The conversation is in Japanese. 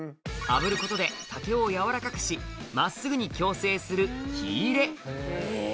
炙ることで竹を柔らかくし真っすぐに矯正する「火入れ」